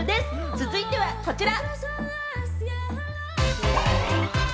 続いてはこちら。